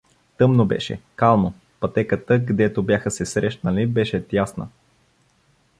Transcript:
Тъмно беше, кално, пътеката, гдето бяха се срещнали, беше тясна.